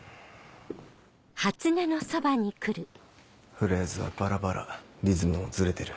フレーズはバラバラリズムもズレてる。